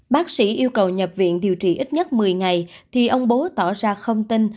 bác sĩ yêu cầu nhập viện điều trị ít nhất một mươi ngày thì ông bố tỏ ra không tin